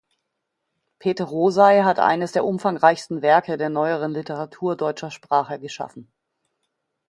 Peter Rosei hat eines der umfangreichsten Werke der neueren Literatur deutscher Sprache geschaffen.